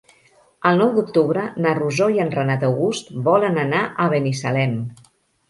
El nou d'octubre na Rosó i en Renat August volen anar a Binissalem.